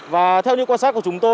và theo như quan sát của chúng ta